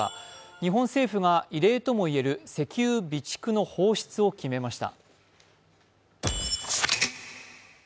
日本政府が異例とも言える石油備蓄の放出を決めました。